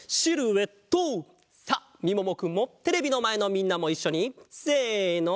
さあみももくんもテレビのまえのみんなもいっしょにせの。